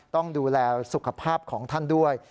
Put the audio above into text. ต้องดูแลสุขภาพของท่านด้วย